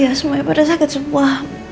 ya semuanya pada sakit semua